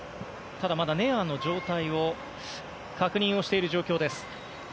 ただ、まだネアーの状態を確認している状況です。